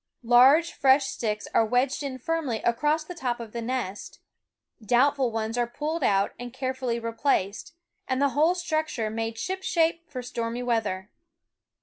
Large fresh sticks are wedged in firmly across the top of the nest; doubtful ones are pulled out and carefully replaced, and the whole structure made shipshape for stormy weather.